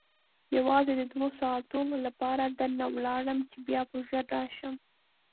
یوازې د دوو ساعتو لپاره درنه ولاړم چې بیا به ژر راشم.